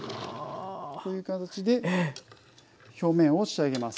こういう感じで表面を仕上げます。